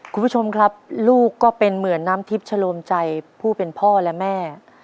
คุณผู้ชมครับลูกก็เป็นเหมือนน้ำทิพย์ชะโลมใจผู้เป็นพ่อและแม่